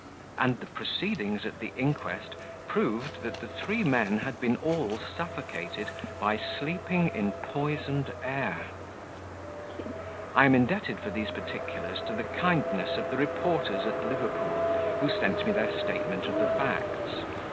_ And the proceedings at the Inquest proved that the three men had been all suffocated by sleeping in poisoned air! I am indebted for these particulars to the kindness of the reporters at Liverpool, who sent me their statement of the facts.